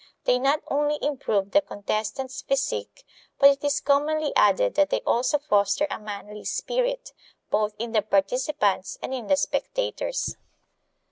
They not only improve the contestant's physique, but it is commonly added that they also foster a manly spirit, both in the participants and in the spectators.